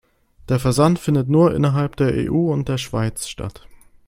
Der Versand findet nur innerhalb der EU und der Schweiz statt.